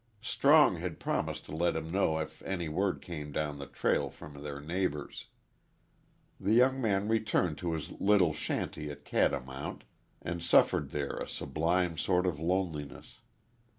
Strong had promised to let him know if any word came down the trail from their neighbors. The young man returned to his little shanty at Catamount and suffered there a sublime sort of loneliness.